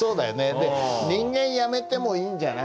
で人間やめてもいいんじゃない？